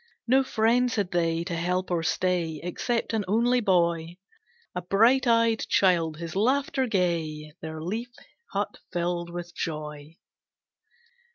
No friends had they, no help or stay, Except an only boy, A bright eyed child, his laughter gay, Their leaf hut filled with joy.